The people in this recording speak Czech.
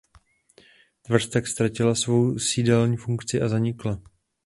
Tvrz tak ztratila svou sídelní funkci a zanikla.